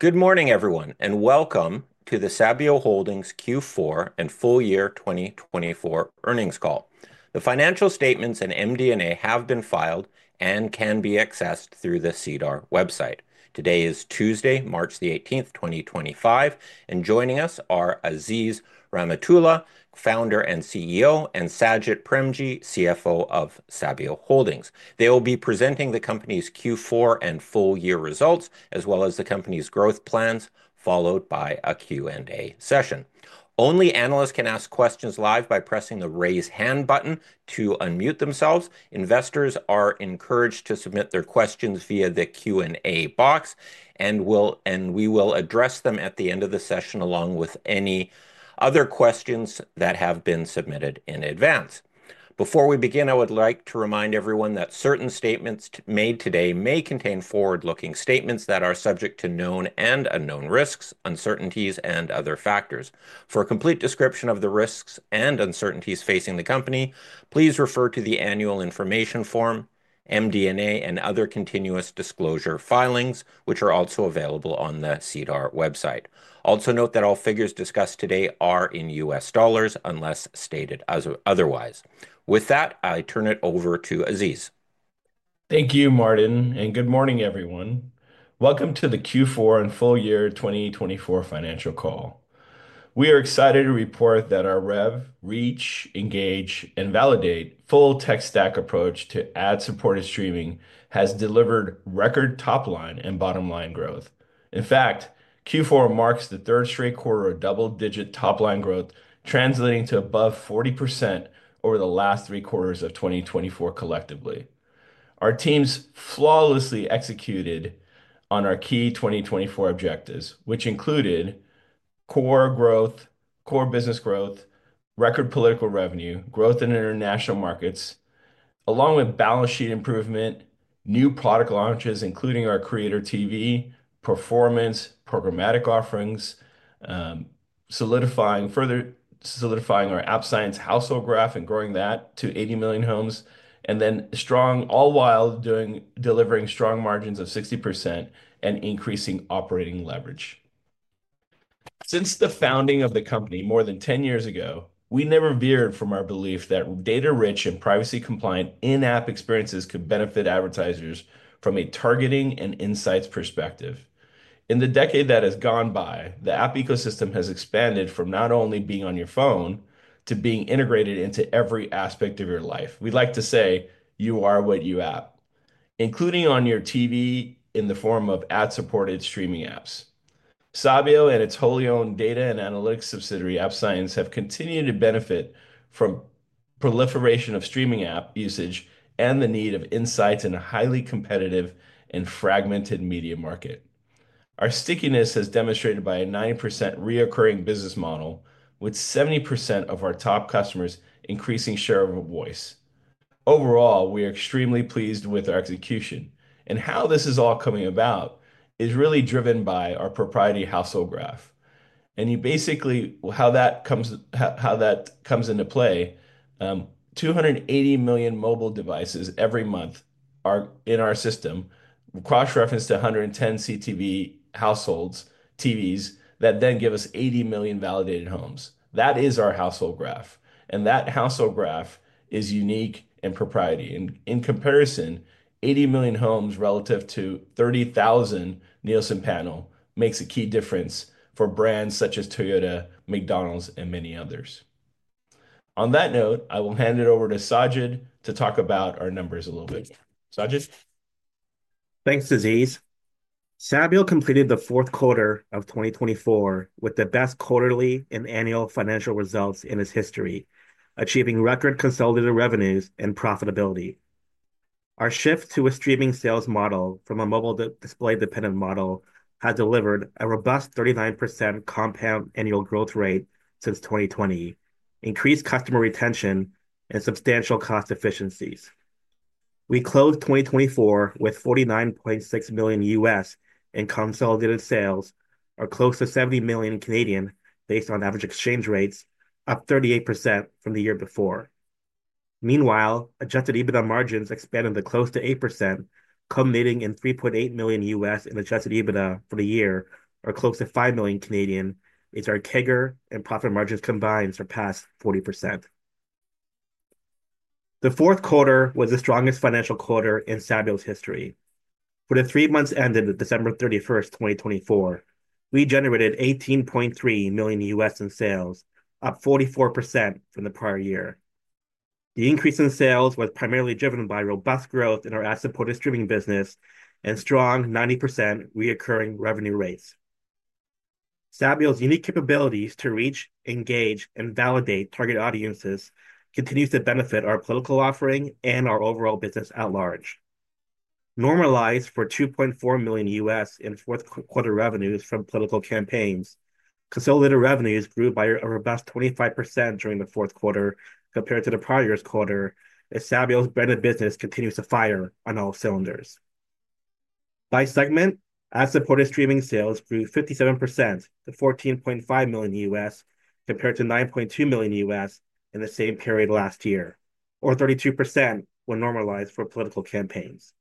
Good morning, everyone, and welcome to the Sabio Holdings Q4 and Full Year 2024 Earnings Call. The financial statements and MD&A have been filed and can be accessed through the SEDAR website. Today is Tuesday, March the 18th, 2025, and joining us are Aziz Rahimtoola, Founder and CEO, and Sajid Premji, CFO of Sabio Holdings. They will be presenting the company's Q4 and full year results, as well as the company's growth plans, followed by a Q&A session. Only analysts can ask questions live by pressing the raise hand button to unmute themselves. Investors are encouraged to submit their questions via the Q&A box, and we will address them at the end of the session along with any other questions that have been submitted in advance. Before we begin, I would like to remind everyone that certain statements made today may contain forward-looking statements that are subject to known and unknown risks, uncertainties, and other factors. For a complete description of the risks and uncertainties facing the company, please refer to the annual information form, MD&A, and other continuous disclosure filings, which are also available on the SEDAR website. Also note that all figures discussed today are in U.S. dollars unless stated otherwise. With that, I turn it over to Aziz. Thank you, Martin, and good morning, everyone. Welcome to the Q4 and full year 2024 financial call. We are excited to report that our rev, reach, engage, and validate full tech stack approach to ad-supported streaming has delivered record top line and bottom line growth. In fact, Q4 marks the third straight quarter of double digit top line growth, translating to above 40% over the last three quarters of 2024 collectively. Our teams flawlessly executed on our key 2024 objectives, which included core growth, core business growth, record political revenue, growth in international markets, along with balance sheet improvement, new product launches, including our Creator TV performance, programmatic offerings, further solidifying our App Science household graph and growing that to 80 million homes, all while delivering strong margins of 60% and increasing operating leverage. Since the founding of the company more than 10 years ago, we never veered from our belief that data rich and privacy compliant in-app experiences could benefit advertisers from a targeting and insights perspective. In the decade that has gone by, the app ecosystem has expanded from not only being on your phone to being integrated into every aspect of your life. We'd like to say you are what you app, including on your TV in the form of ad-supported streaming apps. Sabio and its wholly owned data and analytics subsidiary App Science have continued to benefit from the proliferation of streaming app usage and the need of insights in a highly competitive and fragmented media market. Our stickiness has demonstrated by a 90% recurring business model, with 70% of our top customers increasing share of voice. Overall, we are extremely pleased with our execution, and how this is all coming about is really driven by our proprietary household graph. You basically, how that comes, how that comes into play, 280 million mobile devices every month are in our system, cross referenced to 110 CTV households, TVs that then give us 80 million validated homes. That is our household graph, and that household graph is unique and proprietary. In comparison, 80 million homes relative to 30,000 Nielsen panel makes a key difference for brands such as Toyota, McDonald's, and many others. On that note, I will hand it over to Sajid to talk about our numbers a little bit. Sajid. Thanks, Aziz. Sabio completed the fourth quarter of 2024 with the best quarterly and annual financial results in its history, achieving record consolidated revenues and profitability. Our shift to a streaming sales model from a mobile display dependent model has delivered a robust 39% compound annual growth rate since 2020, increased customer retention, and substantial cost efficiencies. We closed 2024 with $49.6 million U.S. in consolidated sales, or close to 70 million based on average exchange rates, up 38% from the year before. Meanwhile, adjusted EBITDA margins expanded to close to 8%, culminating in $3.8 million U.S. in adjusted EBITDA for the year, or close to 5 million, as our CAGR and profit margins combined surpassed 40%. The fourth quarter was the strongest financial quarter in Sabio's history. For the three months ended December 31st, 2024, we generated $18.3 million U.S. in sales, up 44% from the prior year. The increase in sales was primarily driven by robust growth in our ad-supported streaming business and strong 90% recurring revenue rates. Sabio's unique capabilities to reach, engage, and validate target audiences continue to benefit our political offering and our overall business at large. Normalized for $2.4 million U.S. in fourth quarter revenues from political campaigns, consolidated revenues grew by a robust 25% during the fourth quarter compared to the prior year's quarter, as Sabio's branded business continues to fire on all cylinders. By segment, ad-supported streaming sales grew 57% to $14.5 million U.S. compared to $9.2 million U.S. in the same period last year, or 32% when normalized for political campaigns.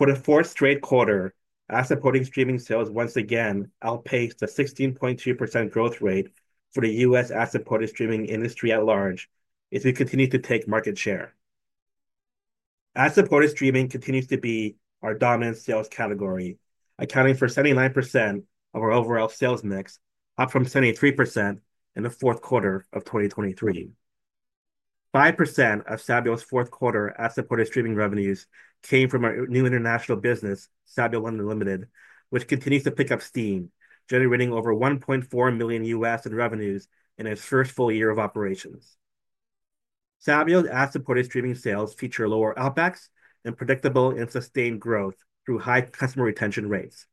For the fourth straight quarter, ad-supported streaming sales once again outpaced the 16.2% growth rate for the U.S. Ad-supported streaming industry at large as we continue to take market share. Ad-supported streaming continues to be our dominant sales category, accounting for 79% of our overall sales mix, up from 73% in the fourth quarter of 2023. 5% of Sabio's fourth quarter ad-supported streaming revenues came from our new international business, Sabio Unlimited, which continues to pick up steam, generating over $1.4 million in revenues in its first full year of operations. Sabio's ad-supported streaming sales feature lower OpEx and predictable and sustained growth through high customer retention rates.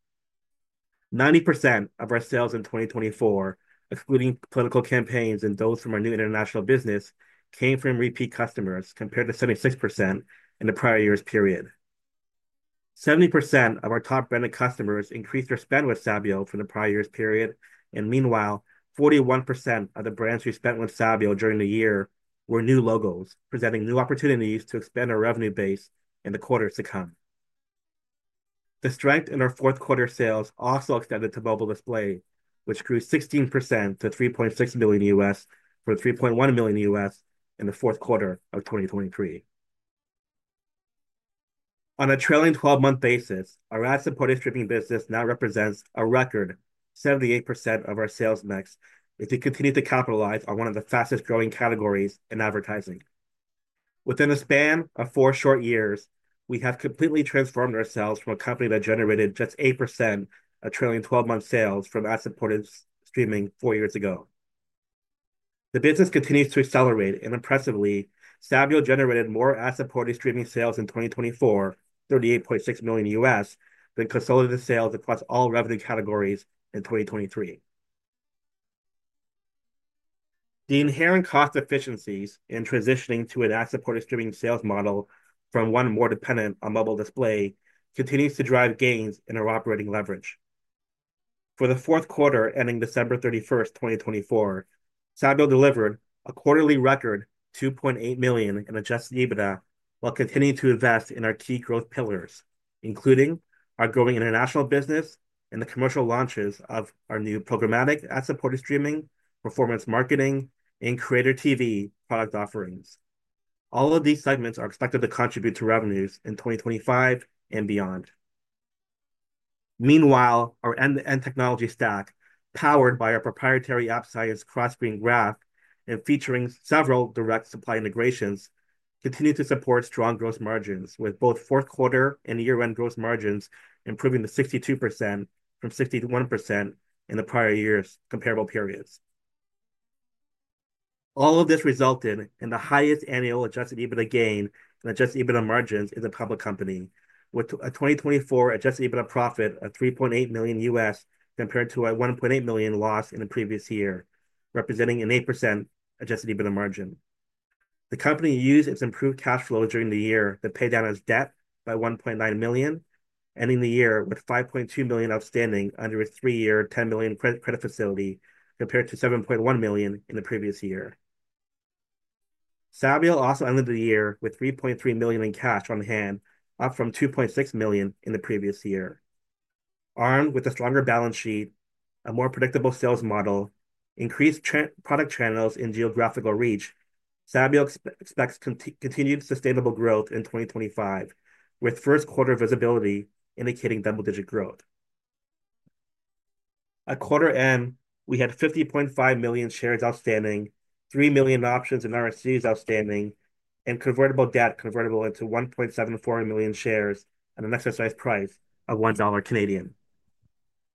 90% of our sales in 2024, excluding political campaigns and those from our new international business, came from repeat customers compared to 76% in the prior year's period. 70% of our top branded customers increased their spend with Sabio from the prior year's period, and meanwhile, 41% of the brands who spent with Sabio during the year were new logos, presenting new opportunities to expand our revenue base in the quarters to come. The strength in our fourth quarter sales also extended to mobile display, which grew 16% to $3.6 million U.S. from $3.1 million U.S. in the fourth quarter of 2023. On a trailing 12-month basis, our ad-supported streaming business now represents a record 78% of our sales mix as we continue to capitalize on one of the fastest growing categories in advertising. Within the span of four short years, we have completely transformed ourselves from a company that generated just 8% of trailing 12-month sales from ad-supported streaming four years ago. The business continues to accelerate, and impressively, Sabio generated more ad-supported streaming sales in 2024, $38.6 million U.S., than consolidated sales across all revenue categories in 2023. The inherent cost efficiencies in transitioning to an ad-supported streaming sales model from one more dependent on mobile display continues to drive gains in our operating leverage. For the fourth quarter ending December 31, 2024, Sabio delivered a quarterly record $2.8 million in adjusted EBITDA while continuing to invest in our key growth pillars, including our growing international business and the commercial launches of our new programmatic ad-supported streaming, performance marketing, and Creator TV product offerings. All of these segments are expected to contribute to revenues in 2025 and beyond. Meanwhile, our end-to-end technology stack, powered by our proprietary App Science cross-stream graph and featuring several direct supply integrations, continues to support strong gross margins, with both fourth quarter and year-end gross margins improving to 62% from 61% in the prior year's comparable periods. All of this resulted in the highest annual adjusted EBITDA gain and adjusted EBITDA margins in the public company, with a 2024 adjusted EBITDA profit of $3.8 million compared to a $1.8 million loss in the previous year, representing an 8% adjusted EBITDA margin. The company used its improved cash flow during the year to pay down its debt by $1.9 million, ending the year with $5.2 million outstanding under a three-year $10 million credit facility compared to $7.1 million in the previous year. Sabio also ended the year with $3.3 million in cash on hand, up from $2.6 million in the previous year. Armed with a stronger balance sheet, a more predictable sales model, and increased product channels and geographical reach, Sabio expects continued sustainable growth in 2025, with first quarter visibility indicating double-digit growth. At quarter end, we had 50.5 million shares outstanding, 3 million options and RSUs outstanding, and convertible debt convertible into 1.74 million shares at an exercise price of 1 dollar.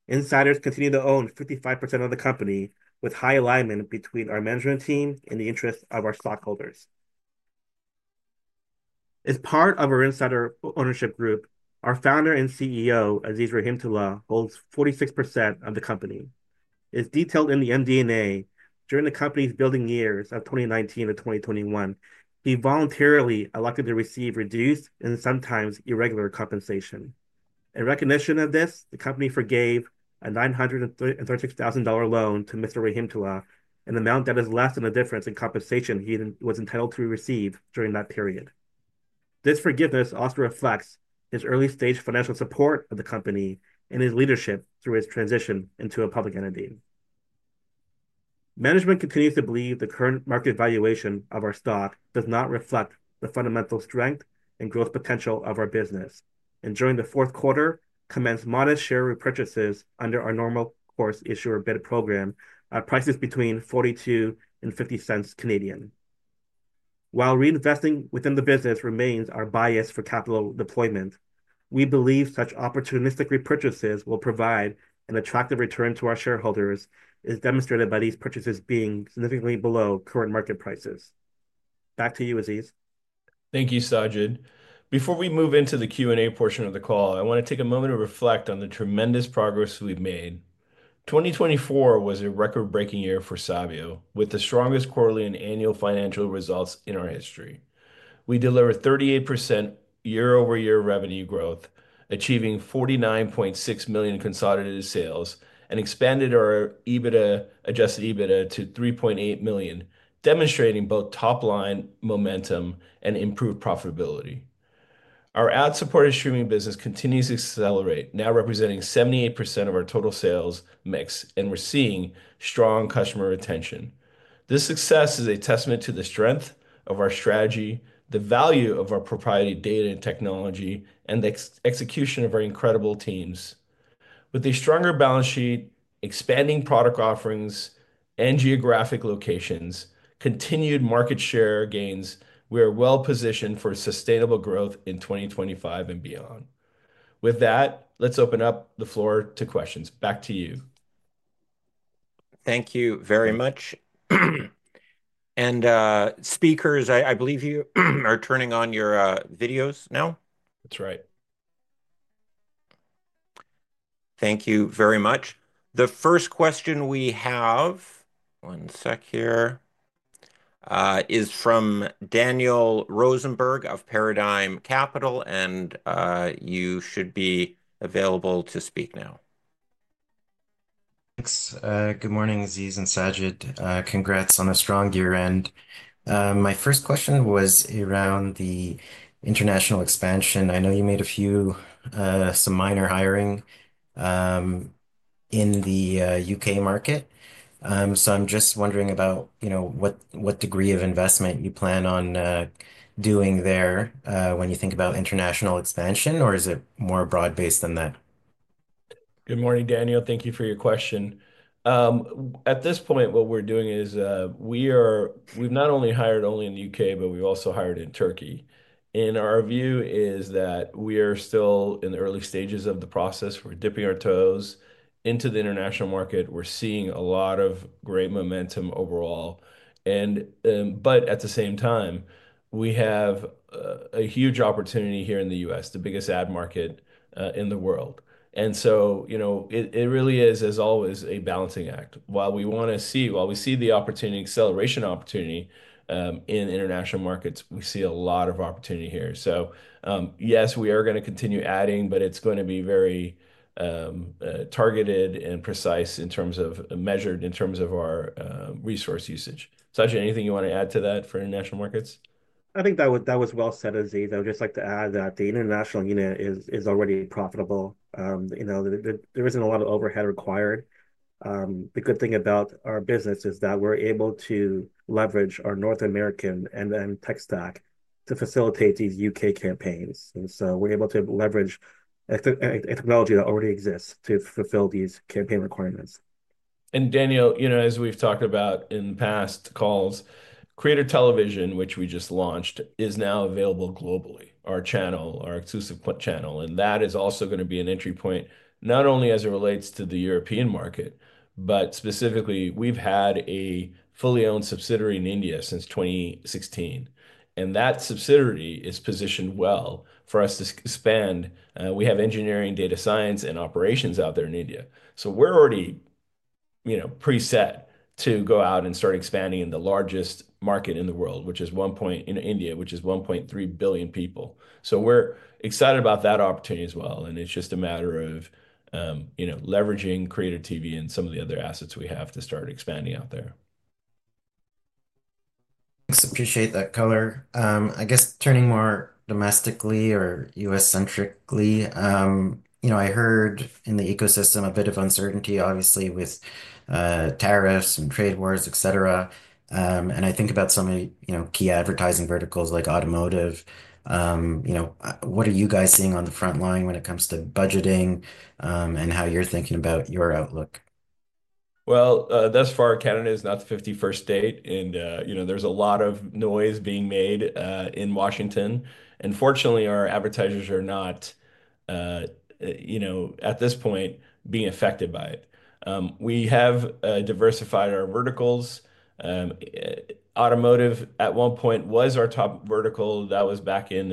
Insiders continue to own 55% of the company, with high alignment between our management team and the interests of our stockholders. As part of our insider ownership group, our founder and CEO, Aziz Rahimtoola, holds 46% of the company. As detailed in the MD&A, during the company's building years of 2019 to 2021, he voluntarily elected to receive reduced and sometimes irregular compensation. In recognition of this, the company forgave a $936,000 loan to Mr. Rahimtoola in the amount that is less than the difference in compensation he was entitled to receive during that period. This forgiveness also reflects his early-stage financial support of the company and his leadership through his transition into a public entity. Management continues to believe the current market valuation of our stock does not reflect the fundamental strength and growth potential of our business, and during the fourth quarter, commenced modest share repurchases under our normal course issuer bid program at prices between 0.42 and 0.50. While reinvesting within the business remains our bias for capital deployment, we believe such opportunistic repurchases will provide an attractive return to our shareholders, as demonstrated by these purchases being significantly below current market prices. Back to you, Aziz. Thank you, Sajid. Before we move into the Q&A portion of the call, I want to take a moment to reflect on the tremendous progress we've made. 2024 was a record-breaking year for Sabio, with the strongest quarterly and annual financial results in our history. We delivered 38% year-over-year revenue growth, achieving $49.6 million consolidated sales, and expanded our adjusted EBITDA to $3.8 million, demonstrating both top-line momentum and improved profitability. Our ad supported streaming business continues to accelerate, now representing 78% of our total sales mix, and we're seeing strong customer retention. This success is a testament to the strength of our strategy, the value of our proprietary data and technology, and the execution of our incredible teams. With a stronger balance sheet, expanding product offerings, and geographic locations, continued market share gains, we are well positioned for sustainable growth in 2025 and beyond. With that, let's open up the floor to questions. Back to you. Thank you very much. Speakers, I believe you are turning on your videos now. That's right. Thank you very much. The first question we have, one sec here, is from Daniel Rosenberg of Paradigm Capital, and you should be available to speak now. Thanks. Good morning, Aziz and Sajid. Congrats on a strong year-end. My first question was around the international expansion. I know you made a few, some minor hiring in the U.K. market. So I'm just wondering about, you know, what degree of investment you plan on doing there when you think about international expansion, or is it more broad-based than that? Good morning, Daniel. Thank you for your question. At this point, what we're doing is we are, we've not only hired only in the U.K., but we've also hired in Turkey. Our view is that we are still in the early stages of the process. We're dipping our toes into the international market. We're seeing a lot of great momentum overall. At the same time, we have a huge opportunity here in the U.S., the biggest ad market in the world. You know, it really is, as always, a balancing act. While we want to see, while we see the opportunity, acceleration opportunity in international markets, we see a lot of opportunity here. Yes, we are going to continue adding, but it's going to be very targeted and precise in terms of measured in terms of our resource usage. Sajid, anything you want to add to that for international markets? I think that was well said, Aziz. I would just like to add that the international unit is already profitable. You know, there isn't a lot of overhead required. The good thing about our business is that we're able to leverage our North American and tech stack to facilitate these U.K. campaigns. You know, we're able to leverage technology that already exists to fulfill these campaign requirements. Daniel, you know, as we've talked about in past calls, Creator TV, which we just launched, is now available globally, our channel, our exclusive channel. That is also going to be an entry point not only as it relates to the European market, but specifically, we've had a fully owned subsidiary in India since 2016. That subsidiary is positioned well for us to expand. We have engineering, data science, and operations out there in India. We're already, you know, preset to go out and start expanding in the largest market in the world, which is India, which is 1.3 billion people. We're excited about that opportunity as well. It's just a matter of, you know, leveraging Creator TV and some of the other assets we have to start expanding out there. Thanks. Appreciate that color. I guess turning more domestically or U.S.-centrically, you know, I heard in the ecosystem a bit of uncertainty, obviously, with tariffs and trade wars, et cetera. I think about some, you know, key advertising verticals like automotive. You know, what are you guys seeing on the front line when it comes to budgeting and how you're thinking about your outlook? Thus far, Canada is not the 51st state. You know, there is a lot of noise being made in Washington. Fortunately, our advertisers are not, you know, at this point, being affected by it. We have diversified our verticals. Automotive, at one point, was our top vertical. That was back in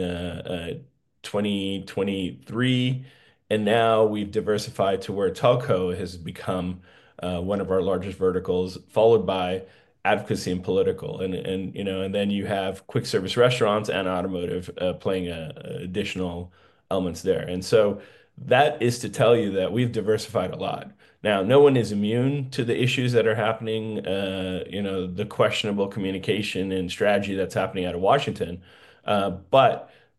2023. Now we have diversified to where telco has become one of our largest verticals, followed by advocacy and political. You know, then you have quick service restaurants and automotive playing additional elements there. That is to tell you that we have diversified a lot. No one is immune to the issues that are happening, you know, the questionable communication and strategy that is happening out of Washington.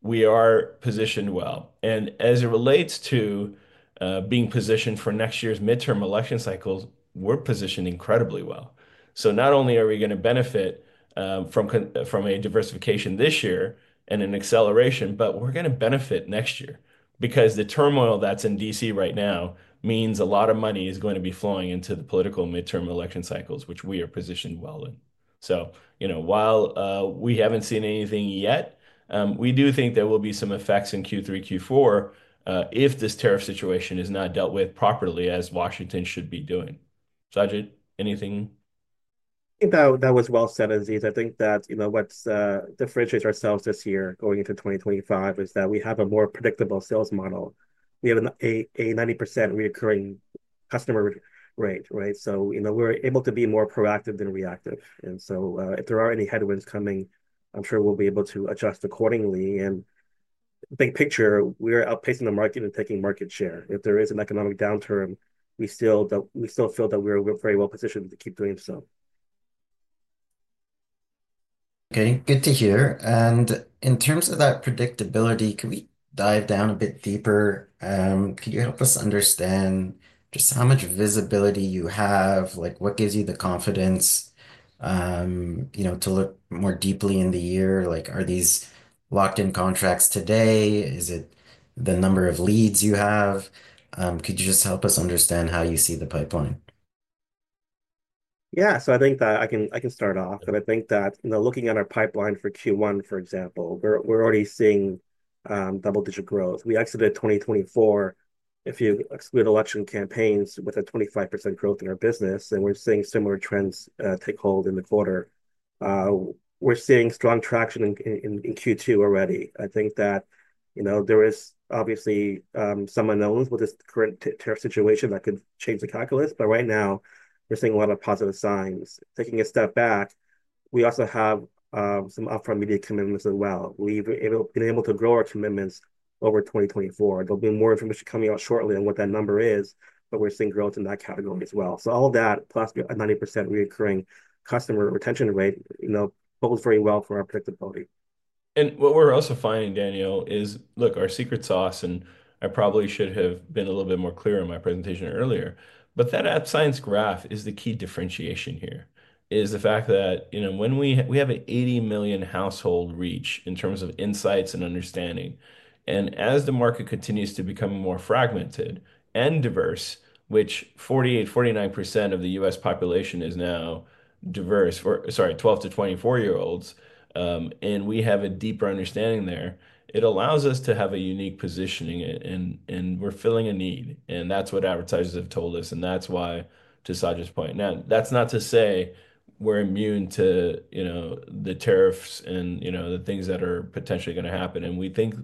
We are positioned well. As it relates to being positioned for next year's midterm election cycles, we are positioned incredibly well. Not only are we going to benefit from a diversification this year and an acceleration, but we're going to benefit next year because the turmoil that's in Washington, D.C. right now means a lot of money is going to be flowing into the political midterm election cycles, which we are positioned well in. You know, while we haven't seen anything yet, we do think there will be some effects in Q3, Q4 if this tariff situation is not dealt with properly as Washington should be doing. Sajid, anything? I think that was well said, Aziz. I think that, you know, what differentiates ourselves this year going into 2025 is that we have a more predictable sales model. We have a 90% recurring customer rate, right? You know, we're able to be more proactive than reactive. If there are any headwinds coming, I'm sure we'll be able to adjust accordingly. Big picture, we're outpacing the market and taking market share. If there is an economic downturn, we still feel that we're very well positioned to keep doing so. Okay. Good to hear. In terms of that predictability, can we dive down a bit deeper? Could you help us understand just how much visibility you have? Like, what gives you the confidence, you know, to look more deeply in the year? Like, are these locked-in contracts today? Is it the number of leads you have? Could you just help us understand how you see the pipeline? Yeah. I think that I can start off. I think that, you know, looking at our pipeline for Q1, for example, we're already seeing double-digit growth. We exited 2024, if you exclude election campaigns, with a 25% growth in our business. We're seeing similar trends take hold in the quarter. We're seeing strong traction in Q2 already. I think that, you know, there is obviously some unknowns with this current tariff situation that could change the calculus. Right now, we're seeing a lot of positive signs. Taking a step back, we also have some upfront media commitments as well. We've been able to grow our commitments over 2024. There will be more information coming out shortly on what that number is, but we're seeing growth in that category as well. All of that, plus a 90% recurring customer retention rate, you know, bodes very well for our predictability. What we're also finding, Daniel, is, look, our secret sauce, and I probably should have been a little bit more clear in my presentation earlier, but that ad science graph is the key differentiation here, is the fact that, you know, when we have an 80 million household reach in terms of insights and understanding. As the market continues to become more fragmented and diverse, which 48%-49% of the U.S. population is now diverse, sorry, 12-24-year-olds, and we have a deeper understanding there, it allows us to have a unique positioning. We're filling a need. That's what advertisers have told us. That's why, to Sajid's point, now, that's not to say we're immune to, you know, the tariffs and, you know, the things that are potentially going to happen. We think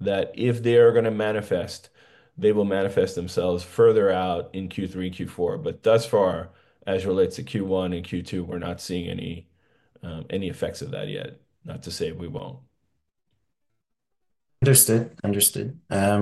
that if they are going to manifest, they will manifest themselves further out in Q3, Q4. Thus far, as it relates to Q1 and Q2, we're not seeing any effects of that yet, not to say we won't. Understood. Understood. My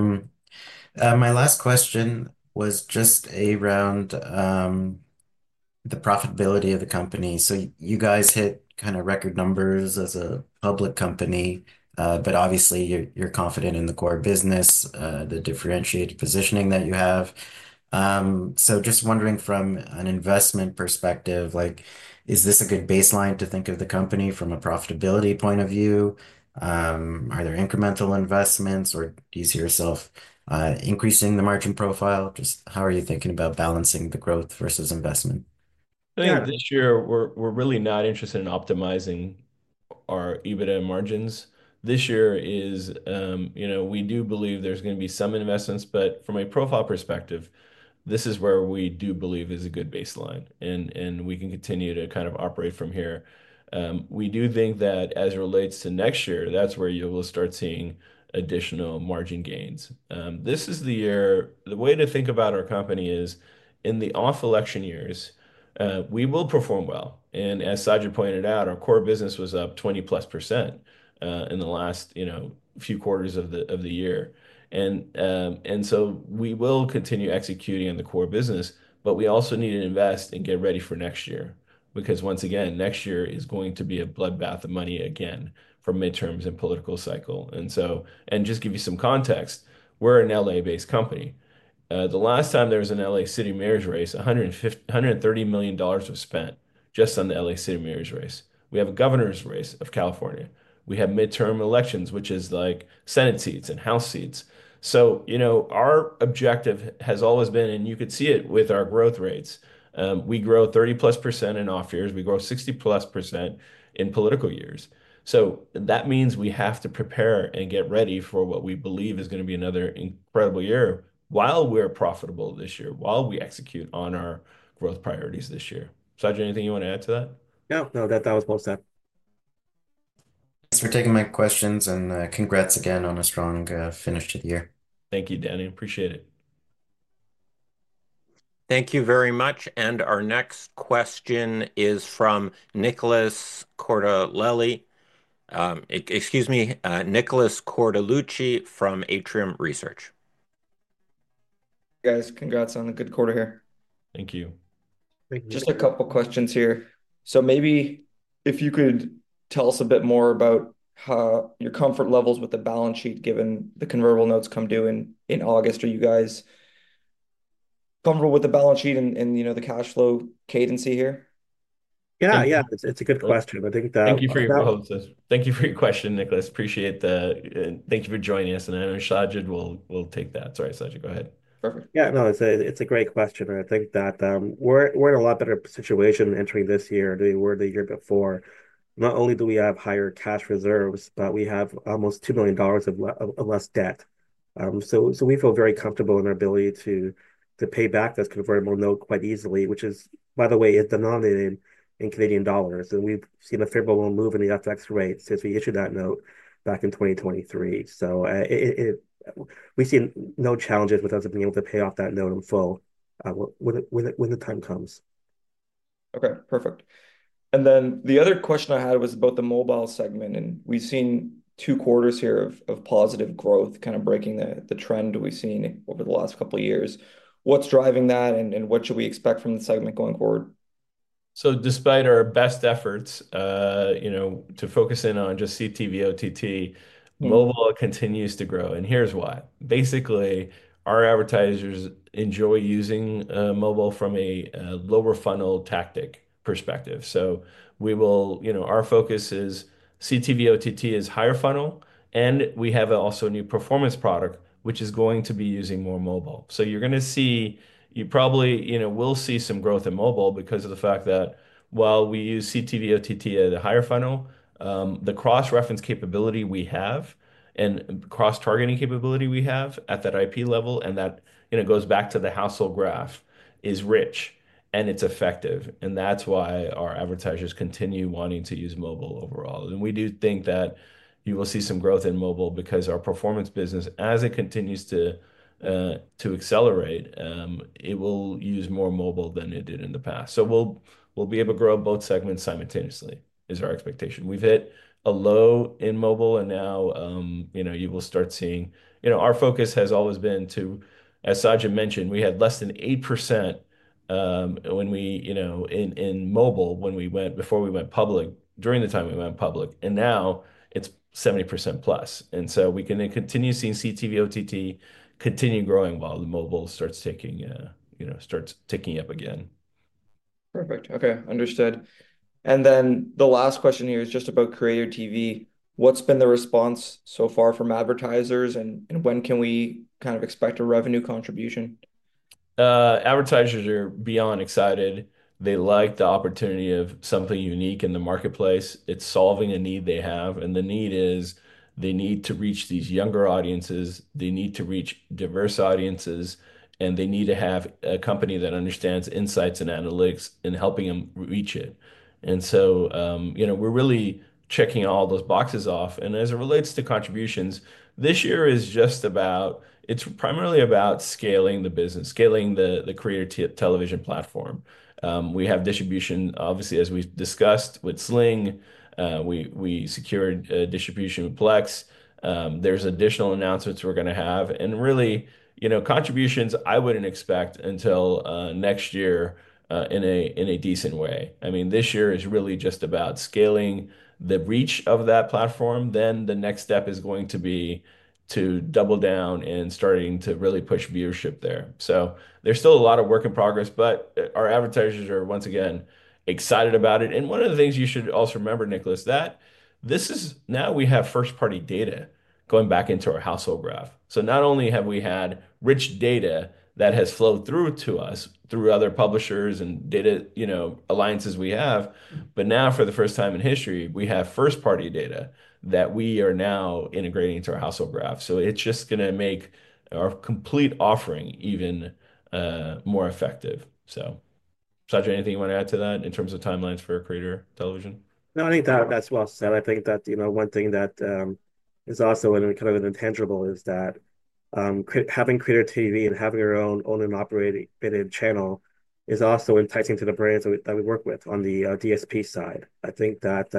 last question was just around the profitability of the company. You guys hit kind of record numbers as a public company, but obviously, you're confident in the core business, the differentiated positioning that you have. Just wondering from an investment perspective, like, is this a good baseline to think of the company from a profitability point of view? Are there incremental investments, or do you see yourself increasing the margin profile? Just how are you thinking about balancing the growth versus investment? I think this year, we're really not interested in optimizing our EBITDA margins. This year is, you know, we do believe there's going to be some investments. From a profile perspective, this is where we do believe is a good baseline. We can continue to kind of operate from here. We do think that as it relates to next year, that's where you will start seeing additional margin gains. This is the year the way to think about our company is in the off-election years, we will perform well. As Sajid pointed out, our core business was up 20+% in the last, you know, few quarters of the year. We will continue executing on the core business, but we also need to invest and get ready for next year because, once again, next year is going to be a bloodbath of money again for midterms and political cycle. Just to give you some context, we're an L.A.-based company. The last time there was an L.A. City Mayor's race, $130 million was spent just on the L.A. City Mayor's race. We have a governor's race of California. We have midterm elections, which is like Senate seats and House seats. You know, our objective has always been, and you could see it with our growth rates. We grow 30+% in off-years. We grow 60+% in political years. That means we have to prepare and get ready for what we believe is going to be another incredible year while we're profitable this year, while we execute on our growth priorities this year. Sajid, anything you want to add to that? No, no, that was well said. Thanks for taking my questions. Congrats again on a strong finish to the year. Thank you, Daniel. Appreciate it. Thank you very much. Our next question is from Nicholas Cortellucci from Atrium Research. Guys, congrats on a good quarter here. Thank you. Just a couple of questions here. Maybe if you could tell us a bit more about your comfort levels with the balance sheet given the convertible notes come due in August. Are you guys comfortable with the balance sheet and, you know, the cash flow cadency here? Yeah, yeah. It's a good question. I think that. Thank you for your question. Thank you for your question, Nicholas. Appreciate the thank you for joining us. I know Sajid will take that. Sorry, Sajid, go ahead. Perfect. Yeah, no, it's a great question. I think that we're in a lot better situation entering this year than we were the year before. Not only do we have higher cash reserves, but we have almost 2 million dollars of less debt. We feel very comfortable in our ability to pay back this convertible note quite easily, which is, by the way, denominated in Canadian dollars. We have seen a favorable move in the FX rate since we issued that note back in 2023. We have seen no challenges with us being able to pay off that note in full when the time comes. Okay, perfect. The other question I had was about the mobile segment. We've seen two quarters here of positive growth kind of breaking the trend we've seen over the last couple of years. What's driving that, and what should we expect from the segment going forward? Despite our best efforts, you know, to focus in on just CTV OTT, mobile continues to grow. And here's why. Basically, our advertisers enjoy using mobile from a lower funnel tactic perspective. So we will, you know, our focus is CTV OTT is higher funnel, and we have also a new performance product, which is going to be using more mobile. So you're going to see, you probably, you know, will see some growth in mobile because of the fact that while we use CTV OTT at a higher funnel, the cross-reference capability we have and cross-targeting capability we have at that IP level, and that, you know, goes back to the household graph, is rich and it's effective. And that's why our advertisers continue wanting to use mobile overall. We do think that you will see some growth in mobile because our performance business, as it continues to accelerate, it will use more mobile than it did in the past. We will be able to grow both segments simultaneously is our expectation. We have hit a low in mobile. You know, you will start seeing, you know, our focus has always been to, as Sajid mentioned, we had less than 8% when we, you know, in mobile when we went before we went public, during the time we went public. Now it is 70% plus. We can continue seeing CTV OTT continue growing while the mobile starts taking, you know, starts ticking up again. Perfect. Okay, understood. The last question here is just about Creator TV. What's been the response so far from advertisers, and when can we kind of expect a revenue contribution? Advertisers are beyond excited. They like the opportunity of something unique in the marketplace. It's solving a need they have. The need is they need to reach these younger audiences. They need to reach diverse audiences. They need to have a company that understands insights and analytics in helping them reach it. You know, we're really checking all those boxes off. As it relates to contributions, this year is just about, it's primarily about scaling the business, scaling the Creator TV platform. We have distribution, obviously, as we've discussed with Sling. We secured distribution with Plex. There's additional announcements we're going to have. Really, you know, contributions, I wouldn't expect until next year in a decent way. I mean, this year is really just about scaling the reach of that platform. The next step is going to be to double down and starting to really push viewership there. There is still a lot of work in progress, but our advertisers are, once again, excited about it. One of the things you should also remember, Nicholas, is that now we have first-party data going back into our household graph. Not only have we had rich data that has flowed through to us through other publishers and data, you know, alliances we have, but now for the first time in history, we have first-party data that we are now integrating into our household graph. It is just going to make our complete offering even more effective. Sajid, anything you want to add to that in terms of timelines for Creator TV? No, I think that that's well said. I think that, you know, one thing that is also kind of an intangible is that having Creator TV and having our own owned and operated channel is also enticing to the brands that we work with on the DSP side. I think that,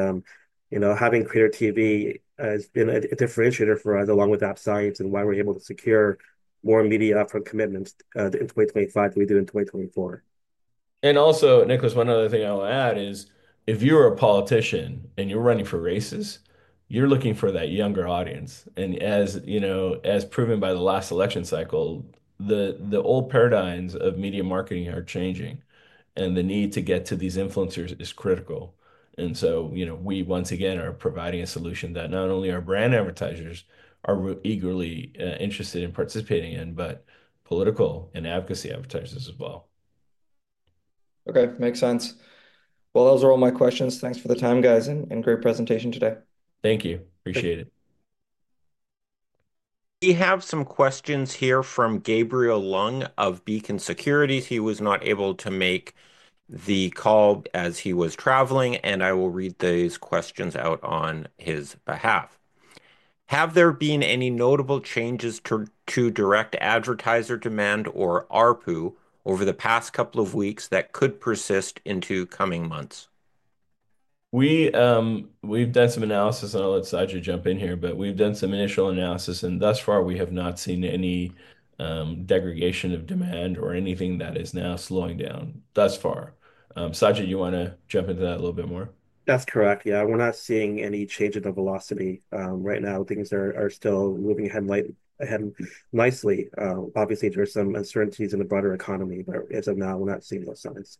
you know, having Creator TV has been a differentiator for us along with App Science and why we're able to secure more media upfront commitments in 2025 than we do in 2024. Also, Nicholas, one other thing I'll add is if you're a politician and you're running for races, you're looking for that younger audience. As you know, as proven by the last election cycle, the old paradigms of media marketing are changing. The need to get to these influencers is critical. You know, we once again are providing a solution that not only our brand advertisers are eagerly interested in participating in, but political and advocacy advertisers as well. Okay, makes sense. Those are all my questions. Thanks for the time, guys, and great presentation today. Thank you. Appreciate it. We have some questions here from Gabriel Leung of Beacon Securities. He was not able to make the call as he was traveling. I will read these questions out on his behalf. Have there been any notable changes to direct advertiser demand or ARPU over the past couple of weeks that could persist into coming months? We've done some analysis on it. Let Sajid jump in here. We've done some initial analysis. Thus far, we have not seen any degradation of demand or anything that is now slowing down thus far. Sajid, you want to jump into that a little bit more? That's correct. Yeah, we're not seeing any change in the velocity right now. Things are still moving ahead nicely. Obviously, there are some uncertainties in the broader economy, but as of now, we're not seeing those signs.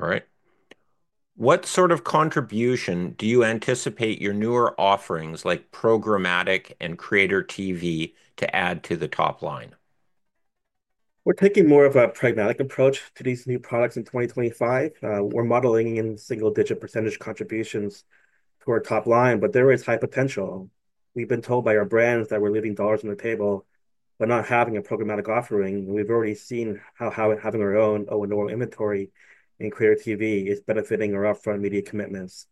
All right. What sort of contribution do you anticipate your newer offerings, like programmatic and Creator TV, to add to the top line? We're taking more of a pragmatic approach to these new products in 2025. We're modeling in single-digit % contributions to our top line. There is high potential. We've been told by our brands that we're leaving dollars on the table by not having a programmatic offering. We've already seen how having our own owned and operated inventory in Creator TV is benefiting our upfront media commitments.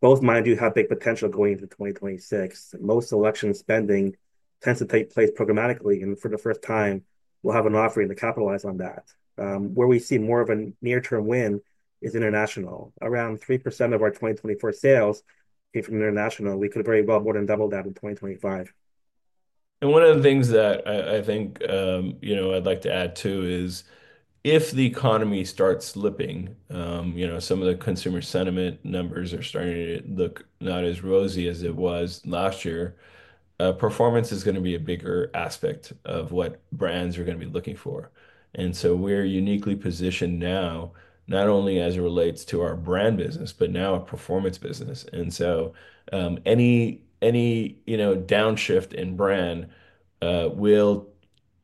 Both mine do have big potential going into 2026. Most election spending tends to take place programmatically. For the first time, we'll have an offering to capitalize on that. Where we see more of a near-term win is international. Around 3% of our 2024 sales came from international. We could very well more than double that in 2025. One of the things that I think, you know, I'd like to add too is if the economy starts slipping, you know, some of the consumer sentiment numbers are starting to look not as rosy as it was last year. Performance is going to be a bigger aspect of what brands are going to be looking for. We are uniquely positioned now, not only as it relates to our brand business, but now a performance business. Any, you know, downshift in brand will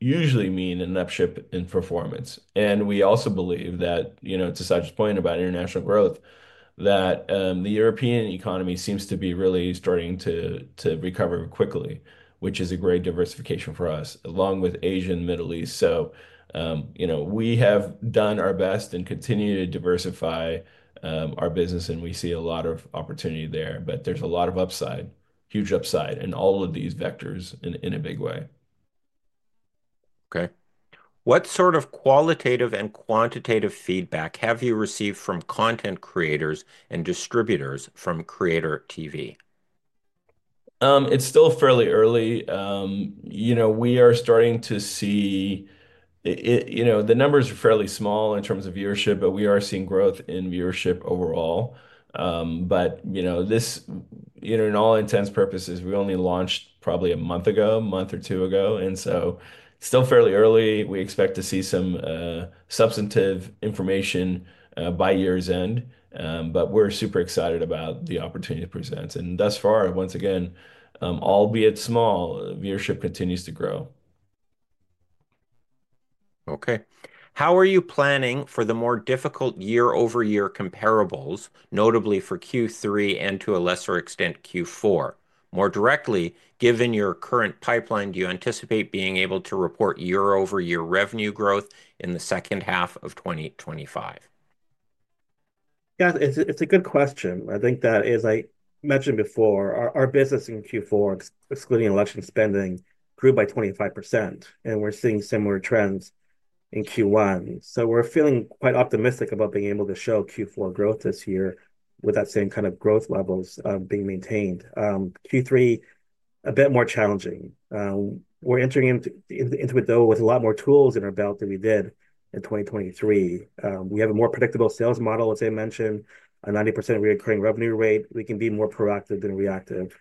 usually mean an upshift in performance. We also believe that, you know, to Sajid's point about international growth, the European economy seems to be really starting to recover quickly, which is a great diversification for us, along with Asia and the Middle East. You know, we have done our best and continue to diversify our business. We see a lot of opportunity there. There is a lot of upside, huge upside in all of these vectors in a big way. Okay. What sort of qualitative and quantitative feedback have you received from content creators and distributors from Creator TV? It's still fairly early. You know, we are starting to see, you know, the numbers are fairly small in terms of viewership, but we are seeing growth in viewership overall. You know, this, you know, in all intents and purposes, we only launched probably a month ago, a month or two ago. Still fairly early. We expect to see some substantive information by year's end. We're super excited about the opportunity it presents. Thus far, once again, albeit small, viewership continues to grow. Okay. How are you planning for the more difficult year-over-year comparables, notably for Q3 and to a lesser extent Q4? More directly, given your current pipeline, do you anticipate being able to report year-over-year revenue growth in the second half of 2025? Yeah, it's a good question. I think that, as I mentioned before, our business in Q4, excluding election spending, grew by 25%. We're seeing similar trends in Q1. We're feeling quite optimistic about being able to show Q4 growth this year with that same kind of growth levels being maintained. Q3, a bit more challenging. We're entering into it, though, with a lot more tools in our belt than we did in 2023. We have a more predictable sales model, as I mentioned, a 90% recurring revenue rate. We can be more proactive than reactive.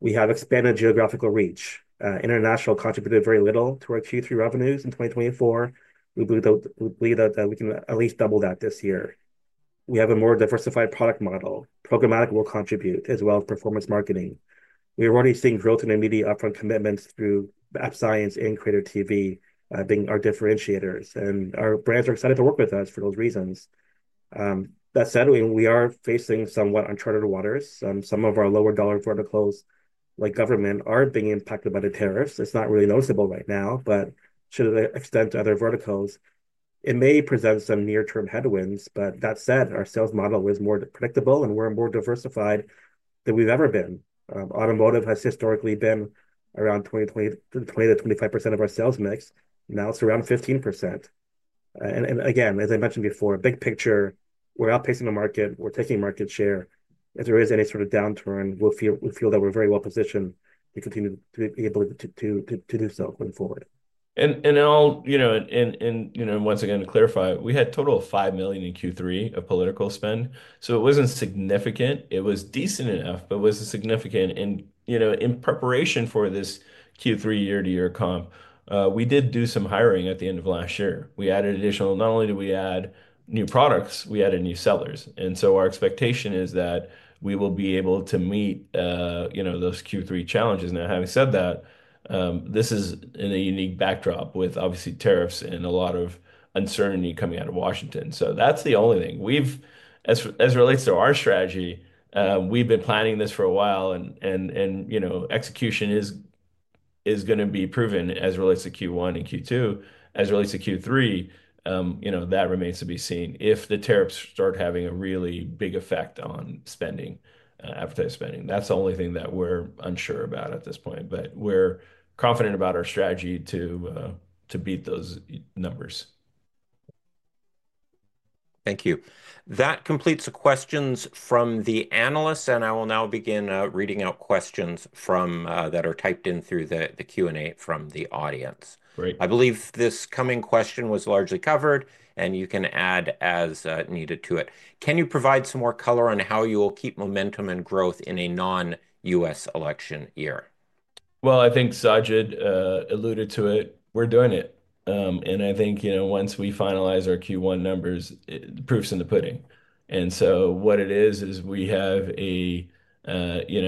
We have expanded geographical reach. International contributed very little to our Q3 revenues in 2024. We believe that we can at least double that this year. We have a more diversified product model. Programmatic will contribute as well as performance marketing. We are already seeing growth in immediate upfront commitments through App Science and Creator TV being our differentiators. Our brands are excited to work with us for those reasons. That said, we are facing somewhat uncharted waters. Some of our lower dollar verticals, like government, are being impacted by the tariffs. It is not really noticeable right now, but to the extent to other verticals, it may present some near-term headwinds. That said, our sales model is more predictable, and we are more diversified than we have ever been. Automotive has historically been around 20-25% of our sales mix. Now it is around 15%. Again, as I mentioned before, big picture, we are outpacing the market. We are taking market share. If there is any sort of downturn, we feel that we are very well positioned to continue to be able to do so going forward. I'll, you know, once again, to clarify, we had a total of $5 million in Q3 of political spend. It wasn't significant. It was decent enough, but it wasn't significant. You know, in preparation for this Q3 year-to-year comp, we did do some hiring at the end of last year. We added additional, not only did we add new products, we added new sellers. Our expectation is that we will be able to meet, you know, those Q3 challenges. Having said that, this is in a unique backdrop with, obviously, tariffs and a lot of uncertainty coming out of Washington, D.C. That's the only thing. As it relates to our strategy, we've been planning this for a while. You know, execution is going to be proven as it relates to Q1 and Q2. As it relates to Q3, you know, that remains to be seen if the tariffs start having a really big effect on spending, advertised spending. That is the only thing that we are unsure about at this point. We are confident about our strategy to beat those numbers. Thank you. That completes the questions from the analysts. I will now begin reading out questions that are typed in through the Q&A from the audience. Great. I believe this coming question was largely covered. You can add as needed to it. Can you provide some more color on how you will keep momentum and growth in a non-U.S. election year? I think Sajid alluded to it. We're doing it. I think, you know, once we finalize our Q1 numbers, proof's in the pudding. What it is is we have a, you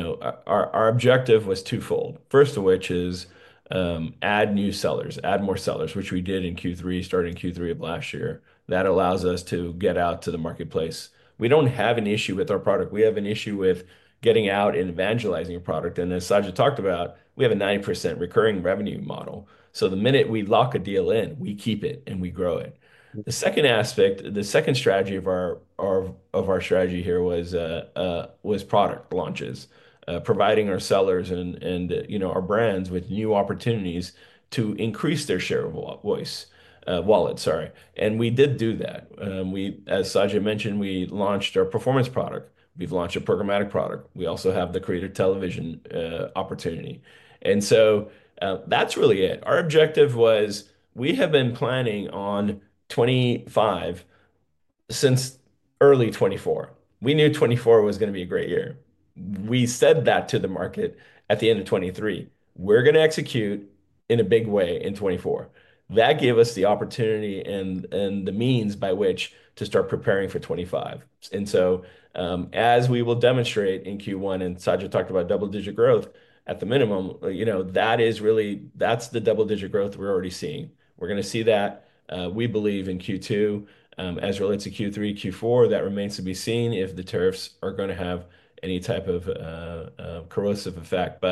know, our objective was twofold, first of which is add new sellers, add more sellers, which we did in Q3, starting Q3 of last year. That allows us to get out to the marketplace. We don't have an issue with our product. We have an issue with getting out and evangelizing a product. As Sajid talked about, we have a 90% recurring revenue model. The minute we lock a deal in, we keep it and we grow it. The second aspect, the second strategy of our strategy here was product launches, providing our sellers and, you know, our brands with new opportunities to increase their share of voice wallet, sorry. We did do that. As Sajid mentioned, we launched our performance product. We have launched a programmatic product. We also have the Creator TV opportunity. That is really it. Our objective was we have been planning on 2025 since early 2024. We knew 2024 was going to be a great year. We said that to the market at the end of 2023. We are going to execute in a big way in 2024. That gave us the opportunity and the means by which to start preparing for 2025. As we will demonstrate in Q1, and Sajid talked about double-digit growth at the minimum, you know, that is really, that is the double-digit growth we are already seeing. We are going to see that, we believe, in Q2. As it relates to Q3, Q4, that remains to be seen if the tariffs are going to have any type of corrosive effect.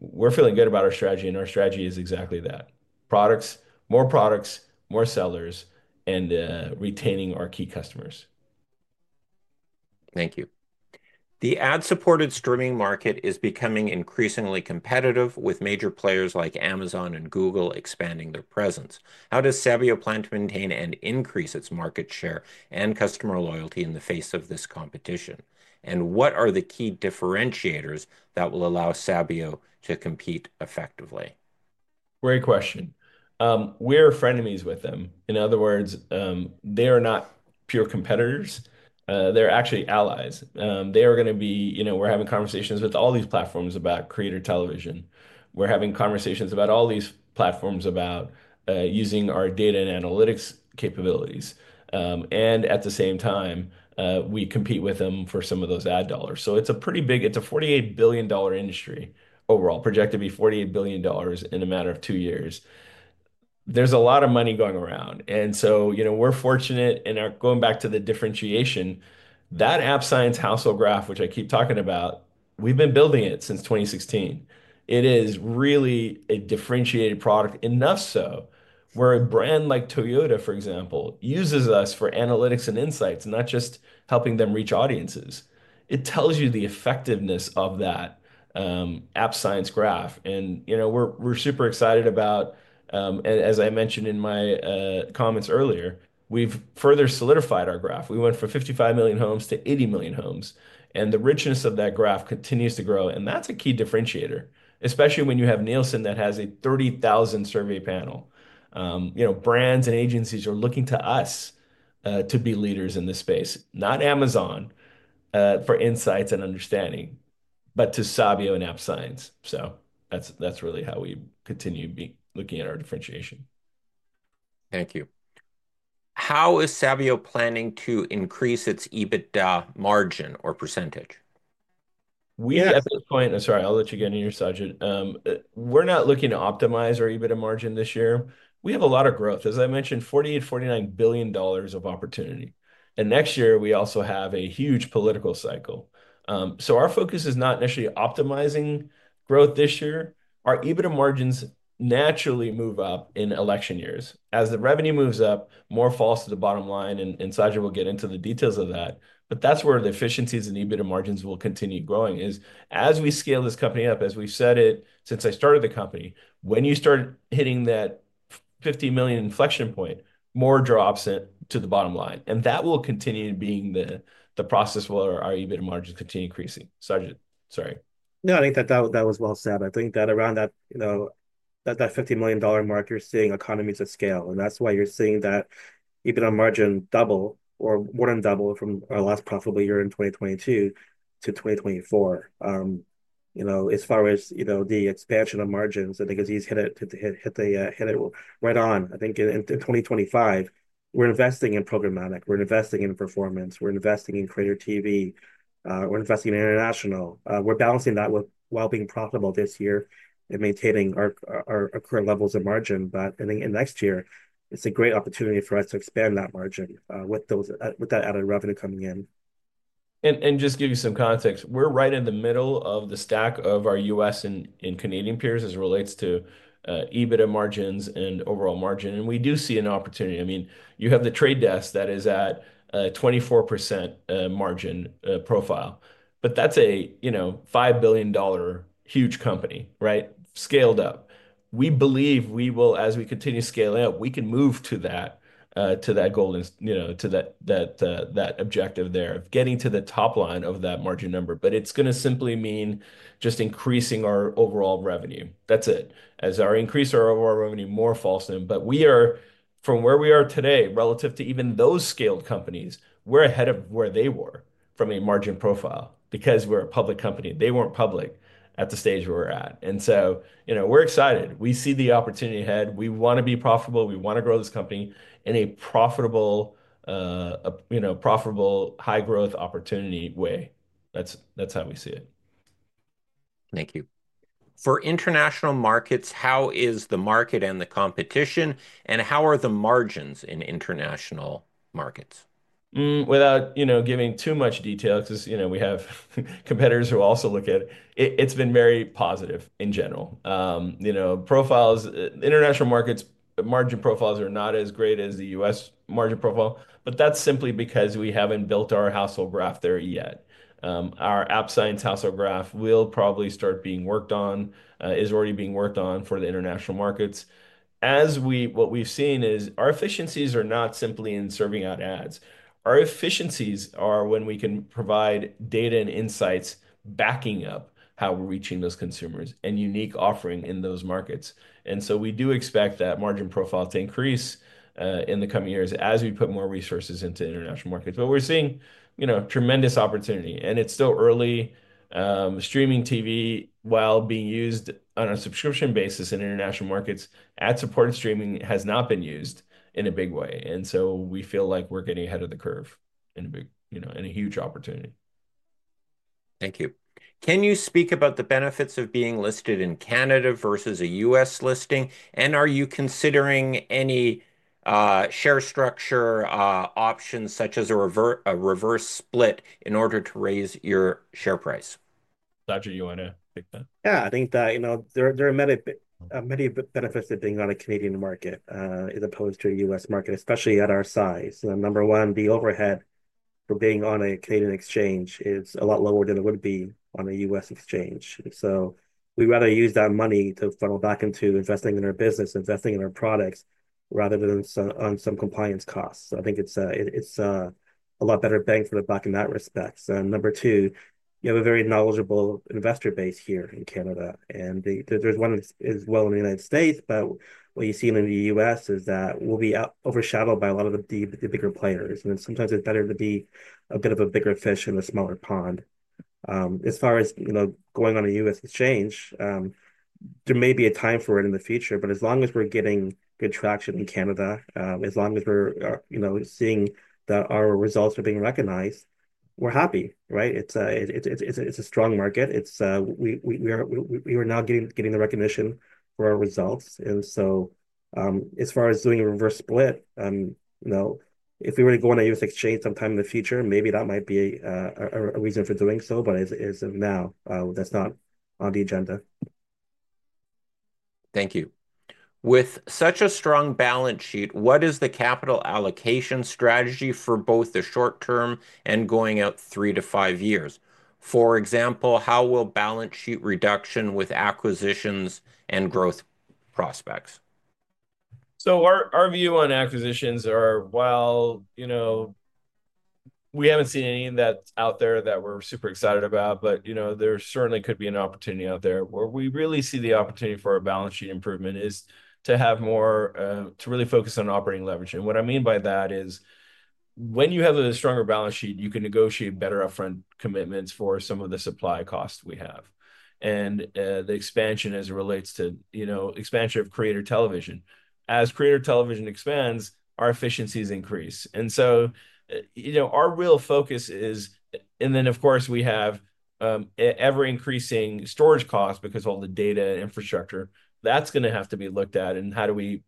We are feeling good about our strategy. Our strategy is exactly that: products, more products, more sellers, and retaining our key customers. Thank you. The ad-supported streaming market is becoming increasingly competitive, with major players like Amazon and Google expanding their presence. How does Sabio plan to maintain and increase its market share and customer loyalty in the face of this competition? What are the key differentiators that will allow Sabio to compete effectively? Great question. We're frenemies with them. In other words, they are not pure competitors. They're actually allies. They are going to be, you know, we're having conversations with all these platforms about Creator TV. We're having conversations about all these platforms about using our data and analytics capabilities. At the same time, we compete with them for some of those ad dollars. It is a pretty big, it's a $48 billion industry overall, projected to be $48 billion in a matter of two years. There's a lot of money going around. You know, we're fortunate. Going back to the differentiation, that App Science household graph, which I keep talking about, we've been building it since 2016. It is really a differentiated product enough so where a brand like Toyota, for example, uses us for analytics and insights, not just helping them reach audiences. It tells you the effectiveness of that ad science graph. You know, we're super excited about, as I mentioned in my comments earlier, we've further solidified our graph. We went from 55 million homes to 80 million homes. The richness of that graph continues to grow. That's a key differentiator, especially when you have Nielsen that has a 30,000 survey panel. You know, brands and agencies are looking to us to be leaders in this space, not Amazon for insights and understanding, but to Sabio and ad science. That's really how we continue to be looking at our differentiation. Thank you. How is Sabio planning to increase its EBITDA margin or percentage? We at this point, and sorry, I'll let you get in here, Sajid. We're not looking to optimize our EBITDA margin this year. We have a lot of growth. As I mentioned, $48 billion-$49 billion of opportunity. Next year, we also have a huge political cycle. Our focus is not initially optimizing growth this year. Our EBITDA margins naturally move up in election years. As the revenue moves up, more falls to the bottom line. Sajid will get into the details of that. That is where the efficiencies in EBITDA margins will continue growing as we scale this company up. As we've said it since I started the company, when you start hitting that $50 million inflection point, more drops to the bottom line. That will continue being the process where our EBITDA margins continue increasing. Sajid, sorry. No, I think that that was well said. I think that around that, you know, that $50 million mark, you're seeing economies of scale. That's why you're seeing that EBITDA margin double or more than double from our last profitable year in 2022 to 2024. You know, as far as, you know, the expansion of margins, I think it's easy to hit it right on. I think in 2025, we're investing in programmatic. We're investing in performance. We're investing in Creator TV. We're investing in international. We're balancing that while being profitable this year and maintaining our current levels of margin. In next year, it's a great opportunity for us to expand that margin with that added revenue coming in. To give you some context, we're right in the middle of the stack of our U.S. and Canadian peers as it relates to EBITDA margins and overall margin. We do see an opportunity. I mean, you have The Trade Desk that is at a 24% margin profile. That's a, you know, $5 billion huge company, scaled up. We believe we will, as we continue scaling up, we can move to that, to that goal, you know, to that objective there of getting to the top line of that margin number. It's going to simply mean just increasing our overall revenue. That's it. As our increase in our overall revenue more falls in. We are, from where we are today, relative to even those scaled companies, ahead of where they were from a margin profile because we're a public company. They weren't public at the stage where we're at. You know, we're excited. We see the opportunity ahead. We want to be profitable. We want to grow this company in a profitable, you know, profitable high-growth opportunity way. That's how we see it. Thank you. For international markets, how is the market and the competition, and how are the margins in international markets? Without, you know, giving too much detail, because, you know, we have competitors who also look at it, it's been very positive in general. You know, profiles, international markets, margin profiles are not as great as the U.S. margin profile. That is simply because we haven't built our household graph there yet. Our App Science household graph will probably start being worked on, is already being worked on for the international markets. As we, what we've seen is our efficiencies are not simply in serving out ads. Our efficiencies are when we can provide data and insights backing up how we're reaching those consumers and unique offering in those markets. You know, we do expect that margin profile to increase in the coming years as we put more resources into international markets. We're seeing, you know, tremendous opportunity. It is still early. Streaming TV, while being used on a subscription basis in international markets, ad-supported streaming has not been used in a big way. We feel like we are getting ahead of the curve in a big, you know, in a huge opportunity. Thank you. Can you speak about the benefits of being listed in Canada versus a U.S. listing? Are you considering any share structure options, such as a reverse split in order to raise your share price? Sajid, you want to take that? Yeah. I think that, you know, there are many, many benefits of being on a Canadian market as opposed to a U.S. market, especially at our size. Number one, the overhead for being on a Canadian exchange is a lot lower than it would be on a U.S. exchange. We'd rather use that money to funnel back into investing in our business, investing in our products rather than on some compliance costs. I think it's a lot better bang for the buck in that respect. Number two, you have a very knowledgeable investor base here in Canada. There's one as well in the United States. What you see in the U.S. is that we'll be overshadowed by a lot of the bigger players. Sometimes it's better to be a bit of a bigger fish in a smaller pond. As far as, you know, going on a U.S. exchange, there may be a time for it in the future. As long as we're getting good traction in Canada, as long as we're, you know, seeing that our results are being recognized, we're happy, right? It's a strong market. We are now getting the recognition for our results. As far as doing a reverse split, you know, if we were to go on a U.S. exchange sometime in the future, maybe that might be a reason for doing so. As of now, that's not on the agenda. Thank you. With such a strong balance sheet, what is the capital allocation strategy for both the short term and going out three to five years? For example, how will balance sheet reduction with acquisitions and growth prospects? Our view on acquisitions are, you know, we haven't seen any of that out there that we're super excited about. You know, there certainly could be an opportunity out there. Where we really see the opportunity for our balance sheet improvement is to have more, to really focus on operating leverage. What I mean by that is when you have a stronger balance sheet, you can negotiate better upfront commitments for some of the supply costs we have. The expansion as it relates to, you know, expansion of Creator TV. As Creator TV expands, our efficiencies increase. You know, our real focus is, and then, of course, we have ever-increasing storage costs because all the data infrastructure, that's going to have to be looked at. How do we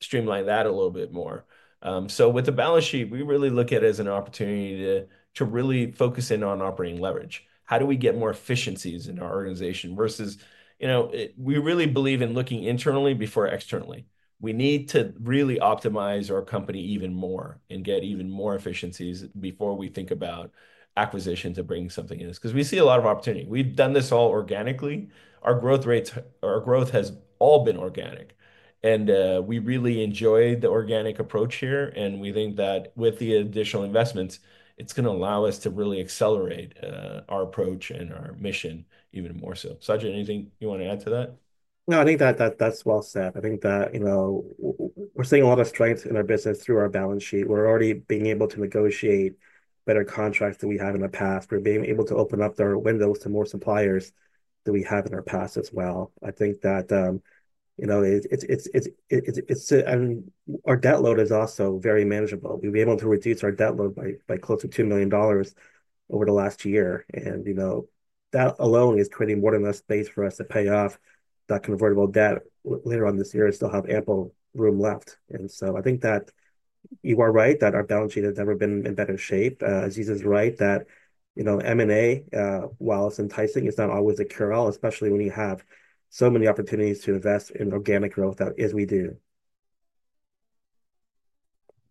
streamline that a little bit more? With the balance sheet, we really look at it as an opportunity to really focus in on operating leverage. How do we get more efficiencies in our organization versus, you know, we really believe in looking internally before externally. We need to really optimize our company even more and get even more efficiencies before we think about acquisitions and bringing something in. Because we see a lot of opportunity. We've done this all organically. Our growth rates, our growth has all been organic. And we really enjoy the organic approach here. We think that with the additional investments, it's going to allow us to really accelerate our approach and our mission even more so. Sajid, anything you want to add to that? No, I think that that's well said. I think that, you know, we're seeing a lot of strength in our business through our balance sheet. We're already being able to negotiate better contracts than we have in the past. We're being able to open up our windows to more suppliers than we have in our past as well. I think that, you know, our debt load is also very manageable. We've been able to reduce our debt load by close to $2 million over the last year. You know, that alone is creating more than enough space for us to pay off that convertible debt later on this year and still have ample room left. I think that you are right that our balance sheet has never been in better shape. Aziz is right that, you know, M&A, while it's enticing, it's not always a cure-all, especially when you have so many opportunities to invest in organic growth as we do.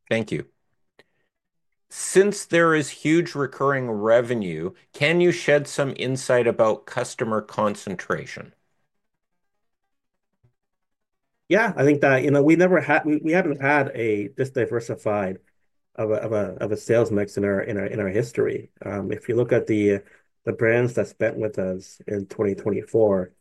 Thank you. Since there is huge recurring revenue, can you shed some insight about customer concentration? Yeah. I think that, you know, we never had, we haven't had this diversified of a sales mix in our history. If you look at the brands that spent with us in 2024,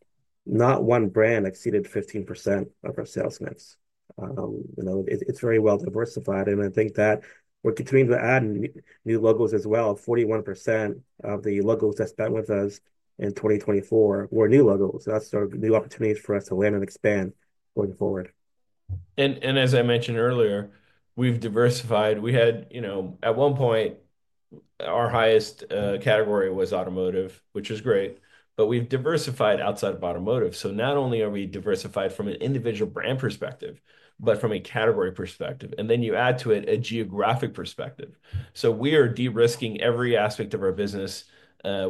not one brand exceeded 15% of our sales mix. You know, it's very well diversified. I think that we're continuing to add new logos as well. 41% of the logos that spent with us in 2024 were new logos. That's our new opportunities for us to land and expand going forward. As I mentioned earlier, we've diversified. We had, you know, at one point, our highest category was automotive, which is great. We have diversified outside of automotive. Not only are we diversified from an individual brand perspective, but from a category perspective. You add to it a geographic perspective. We are de-risking every aspect of our business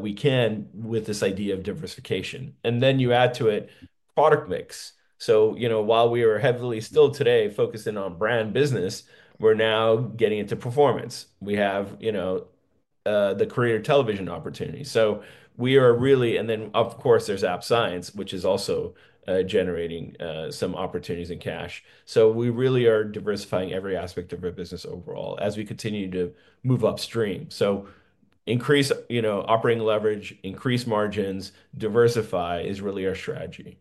we can with this idea of diversification. You add to it product mix. You know, while we are heavily still today focusing on brand business, we're now getting into performance. We have, you know, the Creator TV opportunity. We are really, and then, of course, there's App Science, which is also generating some opportunities in cash. We really are diversifying every aspect of our business overall as we continue to move upstream. Increase, you know, operating leverage, increase margins, diversify is really our strategy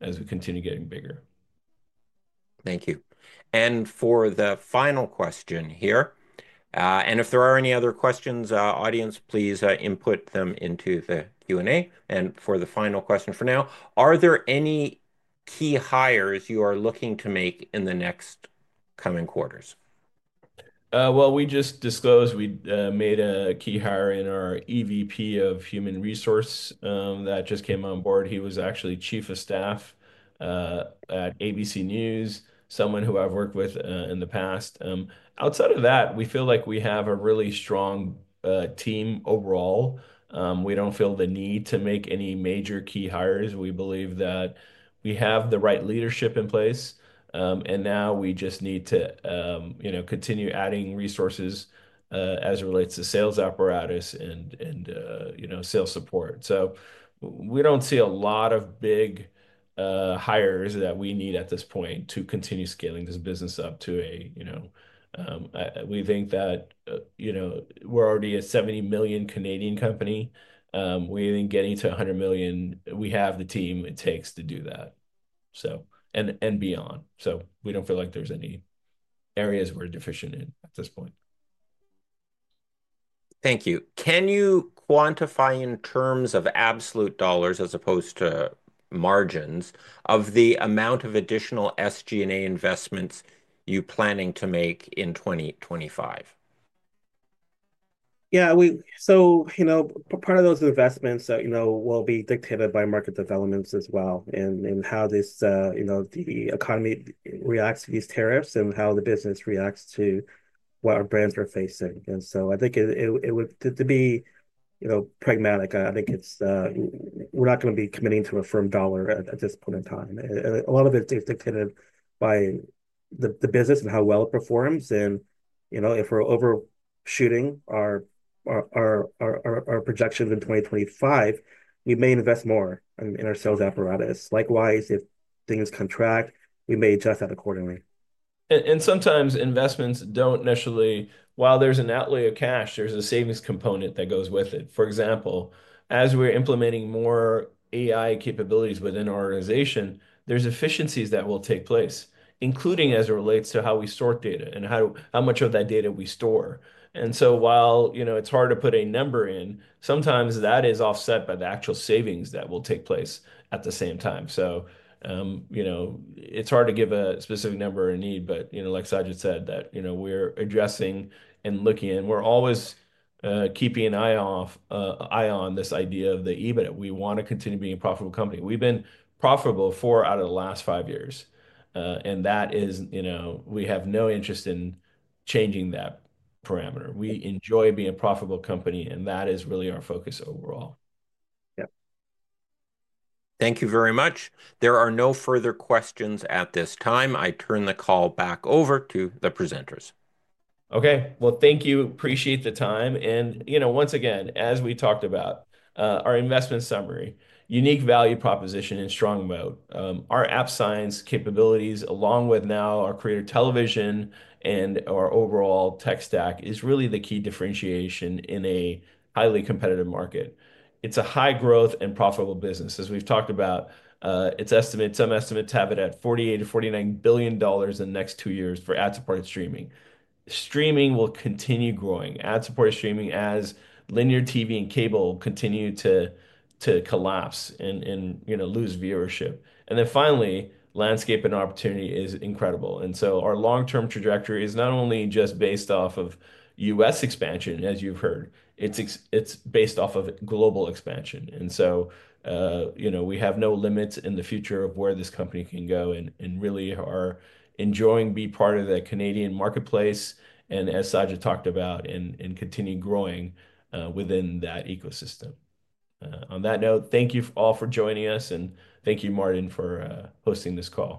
as we continue getting bigger. Thank you. For the final question here, if there are any other questions, audience, please input them into the Q&A. For the final question for now, are there any key hires you are looking to make in the next coming quarters? We just disclosed we made a key hire in our EVP of Human Resources that just came on board. He was actually Chief of Staff at ABC News, someone who I've worked with in the past. Outside of that, we feel like we have a really strong team overall. We do not feel the need to make any major key hires. We believe that we have the right leadership in place. Now we just need to, you know, continue adding resources as it relates to sales apparatus and, you know, sales support. We do not see a lot of big hires that we need at this point to continue scaling this business up to a, you know, we think that, you know, we're already a 70 million company. We think getting to 100 million, we have the team it takes to do that, and beyond. We don't feel like there's any areas we're deficient in at this point. Thank you. Can you quantify in terms of absolute dollars as opposed to margins of the amount of additional SG&A investments you're planning to make in 2025? Yeah. You know, part of those investments, you know, will be dictated by market developments as well and how this, you know, the economy reacts to these tariffs and how the business reacts to what our brands are facing. I think it would, to be, you know, pragmatic, I think it's, we're not going to be committing to a firm dollar at this point in time. A lot of it is dictated by the business and how well it performs. You know, if we're overshooting our projections in 2025, we may invest more in our sales apparatus. Likewise, if things contract, we may adjust that accordingly. Sometimes investments do not necessarily, while there is an outlay of cash, there is a savings component that goes with it. For example, as we are implementing more AI capabilities within our organization, there are efficiencies that will take place, including as it relates to how we sort data and how much of that data we store. While, you know, it is hard to put a number in, sometimes that is offset by the actual savings that will take place at the same time. You know, it is hard to give a specific number or need. Like Sajid said, you know, we are addressing and looking in. We are always keeping an eye on this idea of the EBITDA. We want to continue being a profitable company. We have been profitable four out of the last five years. We have no interest in changing that parameter. We enjoy being a profitable company. That is really our focus overall. Yeah. Thank you very much. There are no further questions at this time. I turn the call back over to the presenters. Thank you. Appreciate the time. And, you know, once again, as we talked about, our investment summary, unique value proposition in strong moat, our ad science capabilities, along with now our Creator TV and our overall tech stack is really the key differentiation in a highly competitive market. It's a high-growth and profitable business. As we've talked about, it's estimated, some estimates have it at $48 billion-$49 billion in the next two years for ad-supported streaming. Streaming will continue growing. Ad-supported streaming as linear TV and cable continue to collapse and, you know, lose viewership. Finally, landscape and opportunity is incredible. Our long-term trajectory is not only just based off of U.S. expansion, as you've heard, it's based off of global expansion. You know, we have no limits in the future of where this company can go and really are enjoying being part of the Canadian marketplace. As Sajid talked about, and continue growing within that ecosystem. On that note, thank you all for joining us. Thank you, Martin, for hosting this call.